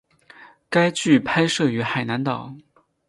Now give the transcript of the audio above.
该剧拍摄于海南岛。